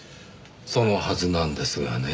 そのはずなんですがねぇ。